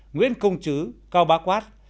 nguyễn công trứ cao bá quát